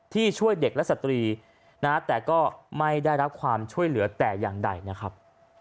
ช่วยเด็กและสตรีนะฮะแต่ก็ไม่ได้รับความช่วยเหลือแต่อย่างใดนะครับ